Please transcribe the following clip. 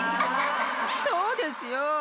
そうですよ！